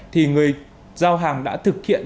thì người giao hàng đã thực hiện